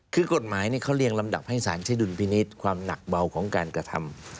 คือกฎหมายเขาเรียงลำดับให้สารใช้ดุลพินิษฐ์ความหนักเบาของการกระทำ